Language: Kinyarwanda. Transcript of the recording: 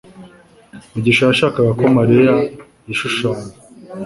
mugisha yashakaga ko Mariya yishushanya